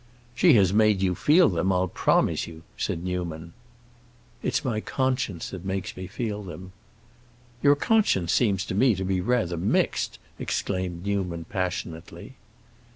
"She has made you feel them, I'll promise you!" said Newman. "It's my conscience that makes me feel them." "Your conscience seems to me to be rather mixed!" exclaimed Newman, passionately.